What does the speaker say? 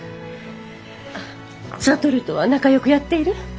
智とは仲よくやっている？